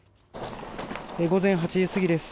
午前８時過ぎです。